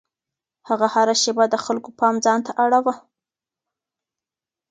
هغه هره شېبه د خلکو پام ځان ته اړاوه.